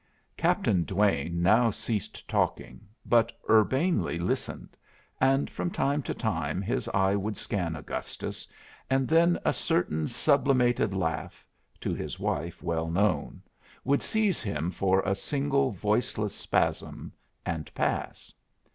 Captain Duane now ceased talking, but urbanely listened; and from time to time his eye would scan Augustus, and then a certain sublimated laugh, to his wife well known; would seize him for a single voiceless spasm, and pass.